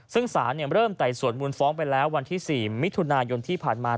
ซึ่งสารเริ่มไต่สวนมูลฟ้องไปแล้ววันที่๔มิถุนายนที่ผ่านมา